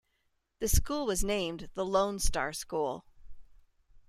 The school was named, The Lone Star School.